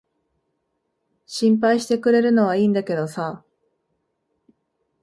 心配してくれるのは良いんだけどさ。